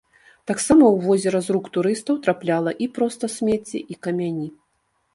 Таксама ў возера з рук турыстаў трапляла і проста смецце, і камяні.